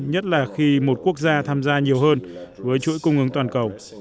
nhất là khi một quốc gia tham gia nhiều hơn với chuỗi cung ứng toàn cầu